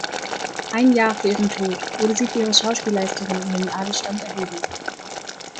Ein Jahr vor ihrem Tod wurde sie für ihre Schauspielleistungen in den Adelsstand erhoben.